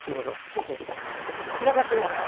ちょっと散らかってるから。